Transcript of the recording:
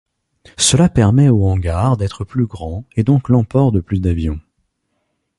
Cela permet au hangar d'être plus grand et donc l'emport de plus d'avions.